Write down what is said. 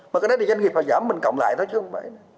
mà cái đó thì doanh nghiệp phải giảm mình cặn lại thôi chứ không phải